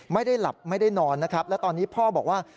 ไม่ได้หลับไม่ได้นอนนะครับและตอนนี้พ่อบอกว่า